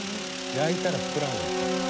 焼いたら膨らむ。